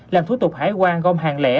làm thủ tục hải quan gom hàng lẻ